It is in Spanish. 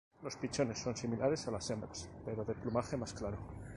Los pichones son similares a las hembras, pero de plumaje más claro.